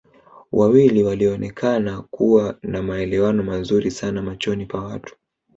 Wawili walioonekana kuwa na maelewano mazuri sana machoni pa watu